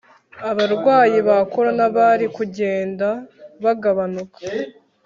abarwayi ba corona bari kugenda bagabanuka